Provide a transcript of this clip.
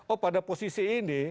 oh pada posisi ini